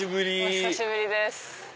お久しぶりです。